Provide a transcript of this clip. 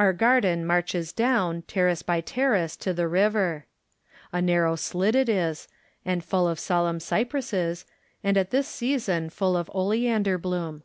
Our garden marches down, terrace by ter race, to the river. A narrow slit it is, and full of solenm cypresses, and at this season full of oleander Moom.